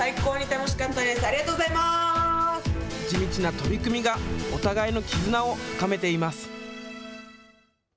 地道な取り組みがお互いの絆を深めています。